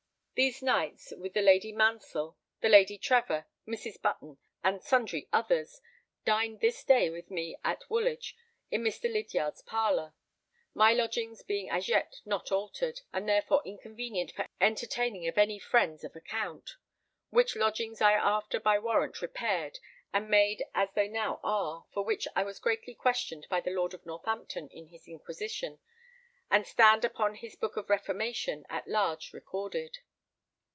These knights, with the Lady Mansell, the Lady Trevor, Mrs. Button, and sundry others, dined this day with me at Woolwich in Mr. Lydiard's parlour, my lodgings being as yet not altered, and therefore inconvenient for entertaining of any friends of account; which lodgings I after by warrant repaired and made as they now are, for which I was greatly questioned by the Lord of Northampton in his inquisition, and stand upon his book of reformation at large recorded.